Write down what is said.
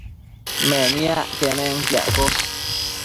Meniac quenenquiaccosh